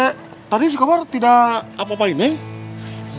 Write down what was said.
eh tadi si komar tidak apa apain neng